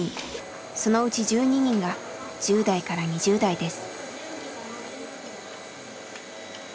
そのうち１２人が１０代から２０代です。